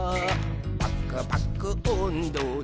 「パクパクおんどで」